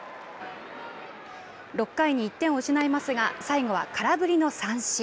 ６回に１点を失いますが最後は空振りの三振。